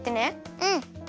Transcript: うん。